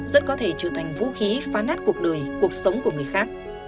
rất có thể trở thành vũ khí phán nát cuộc đời cuộc sống của người khác